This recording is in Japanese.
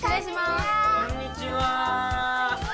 はいこんにちは。